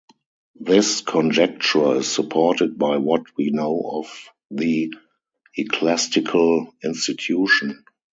This conjecture is supported by what we know of the ecclesiastical institution.